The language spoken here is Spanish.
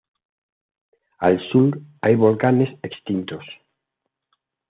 Al sur hay volcanes extintos.